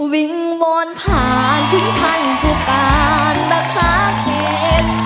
วิงวอนผ่านถึงท่านผู้การรักษาเขต